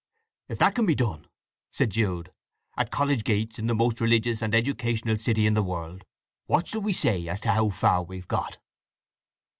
"If that can be done," said Jude, "at college gates in the most religious and educational city in the world, what shall we say as to how far we've got?"